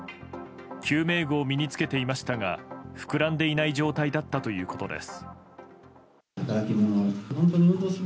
救命具を身に着けていましたが膨らんでいない状態だったということです。